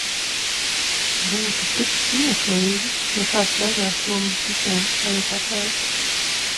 Būtu tik smieklīgi, ja kāds beigās to mums visiem arī pateiktu.